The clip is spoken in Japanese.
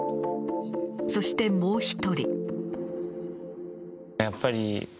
そしてもう１人。